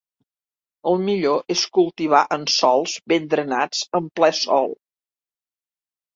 El millor és cultivar en sòls ben drenats en ple sol.